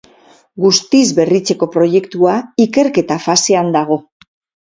Guztiz berritzeko proiektua ikerketa fasean dago.